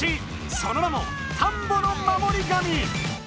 その名も「田んぼの守り神」。